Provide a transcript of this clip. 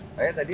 udah damat hari